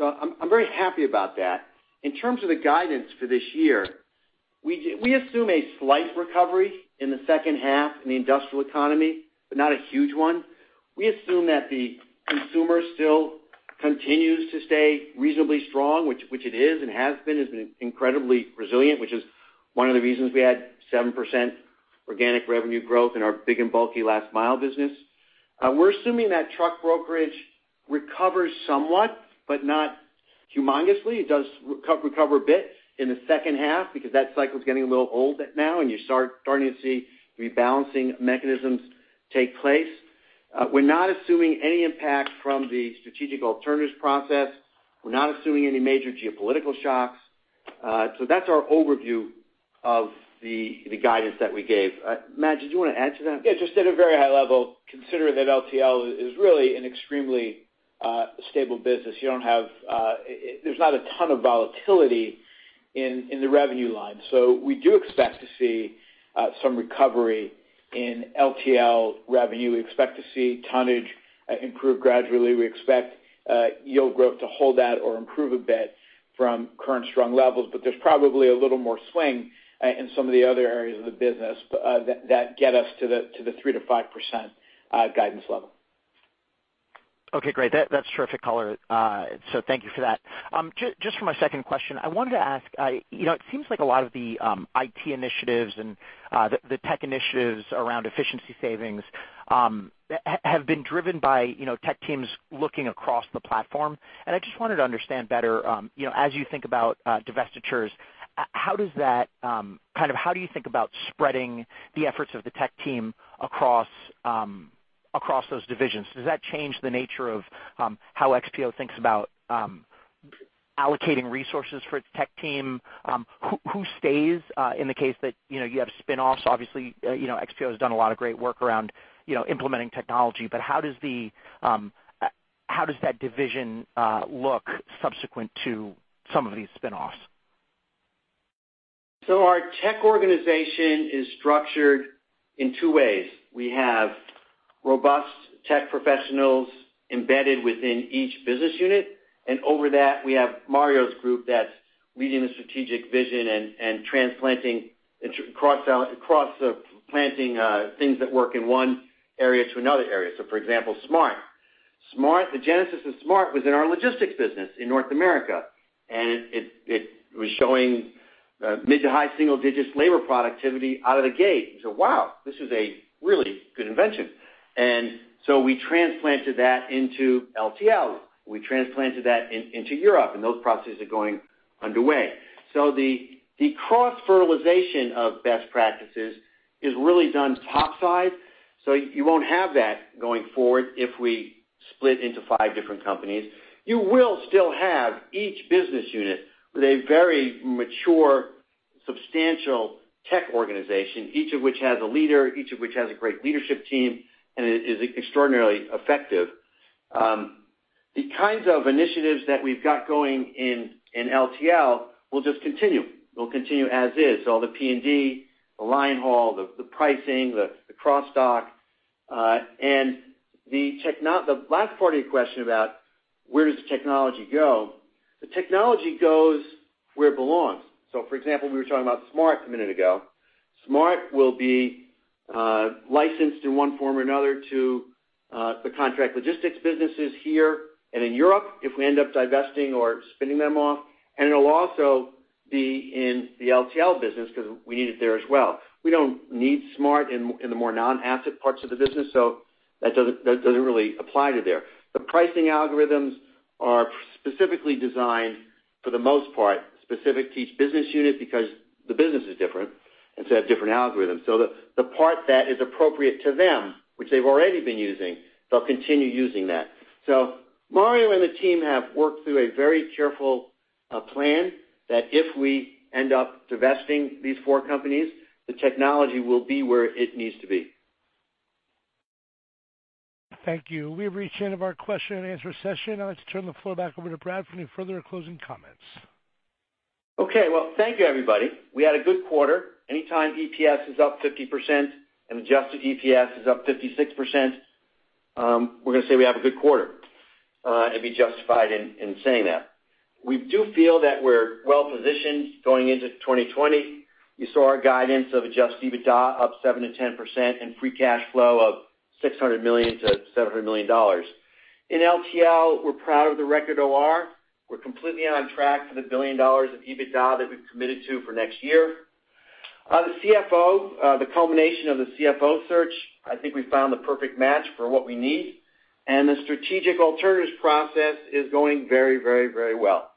I'm very happy about that. In terms of the guidance for this year, we assume a slight recovery in the second half in the industrial economy, but not a huge one. We assume that the consumer still continues to stay reasonably strong, which it is and has been. It has been incredibly resilient, which is one of the reasons we had 7% organic revenue growth in our big and bulky last mile business. We're assuming that truck brokerage recovers somewhat, but not humongously. It does recover a bit in the second half because that cycle is getting a little old now, and you're starting to see rebalancing mechanisms take place. We're not assuming any impact from the strategic alternatives process. We're not assuming any major geopolitical shocks. That's our overview of the guidance that we gave. Matt, did you want to add to that? Yeah, just at a very high level, considering that LTL is really an extremely stable business. There's not a ton of volatility in the revenue line. We do expect to see some recovery in LTL revenue. We expect to see tonnage improve gradually. We expect yield growth to hold at or improve a bit from current strong levels. There's probably a little more swing in some of the other areas of the business that get us to the 3%-5% guidance level. Okay, great. That's terrific color, thank you for that. Just for my second question, I wanted to ask, it seems like a lot of the IT initiatives and the tech initiatives around efficiency savings have been driven by tech teams looking across the platform. I just wanted to understand better, as you think about divestitures, how do you think about spreading the efforts of the tech team across those divisions? Does that change the nature of how XPO thinks about allocating resources for its tech team? Who stays in the case that you have spinoffs? Obviously, XPO has done a lot of great work around implementing technology. How does that division look subsequent to some of these spinoffs? Our tech organization is structured in two ways. We have robust tech professionals embedded within each business unit, and over that, we have Mario's group that's leading the strategic vision and transplanting things that work in one area to another area. For example, Smart. The genesis of Smart was in our logistics business in North America, and it was showing mid to high single-digit labor productivity out of the gate. Wow, this is a really good invention. We transplanted that into LTL. We transplanted that into Europe, and those processes are going underway. The cross-fertilization of best practices is really done top side. You won't have that going forward if we split into five different companies. You will still have each business unit with a very mature, substantial tech organization, each of which has a leader, each of which has a great leadership team, and it is extraordinarily effective. The kinds of initiatives that we've got going in LTL will just continue. Will continue as is. All the P&D, the line haul, the pricing, the cross-dock. The last part of your question about where does the technology go? The technology goes where it belongs. For example, we were talking about Smart a minute ago. Smart will be licensed in one form or another to the contract logistics businesses here and in Europe if we end up divesting or spinning them off. It'll also be in the LTL business because we need it there as well. We don't need XPO Smart in the more non-asset parts of the business, so that doesn't really apply to there. The pricing algorithms are specifically designed, for the most part, specific to each business unit because the business is different and so have different algorithms. The part that is appropriate to them, which they've already been using, they'll continue using that. Mario and the team have worked through a very careful plan that if we end up divesting these four companies, the technology will be where it needs to be. Thank you. We've reached the end of our question and answer session. I'd like to turn the floor back over to Brad for any further closing comments. Okay. Well, thank you, everybody. We had a good quarter. Anytime EPS is up 50% and adjusted EPS is up 56%, we're going to say we have a good quarter and be justified in saying that. We do feel that we're well positioned going into 2020. You saw our guidance of adjusted EBITDA up 7%-10% and free cash flow of $600 million-$700 million. In LTL, we're proud of the record OR. We're completely on track for the $1 billion of EBITDA that we've committed to for next year. The CFO, the culmination of the CFO search, I think we found the perfect match for what we need. The strategic alternatives process is going very well.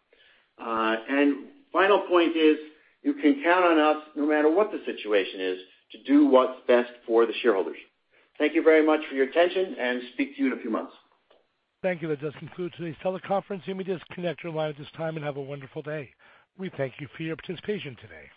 Final point is, you can count on us no matter what the situation is, to do what's best for the shareholders. Thank you very much for your attention and speak to you in a few months. Thank you. That does conclude today's teleconference. You may disconnect your line at this time and have a wonderful day. We thank you for your participation today.